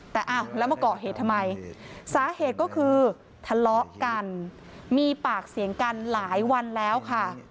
แต่อ้าวแล้วมาก่อเหตุทำไมสาเหตุก็คือทะเลาะกันมีปากเสียงกันหลายวันแล้วค่ะ